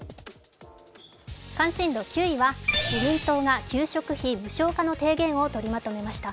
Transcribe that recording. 関心度９位は自民党が給食費無償化の提言を取りまとめました。